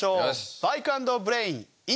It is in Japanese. バイク＆ブレイン！